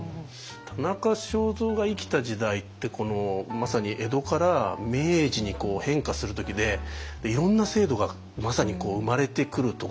田中正造が生きた時代ってまさに江戸から明治に変化する時でいろんな制度がまさに生まれてくるところで。